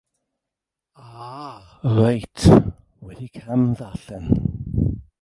Ah, reit, wedi camddarllen!